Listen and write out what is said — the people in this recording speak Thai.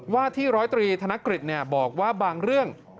ว่าที่ร้อยตรีธนกฤษบอกว่าบางเรื่อง